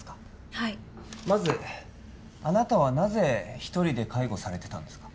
はいまずあなたはなぜ一人で介護されてたんですか？